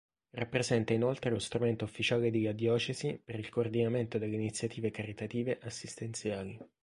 Rappresenta inoltre lo strumento ufficiale della Diocesi per il coordinamento delle iniziative caritative assistenziali.